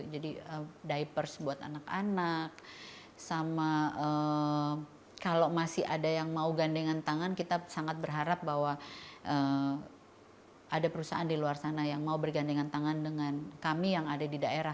jadi diapers buat anak anak kalau masih ada yang mau gandengan tangan kita sangat berharap bahwa ada perusahaan di luar sana yang mau bergandengan tangan dengan kami yang ada di daerah